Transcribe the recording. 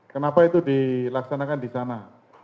kenapa itu dilaksanakan disana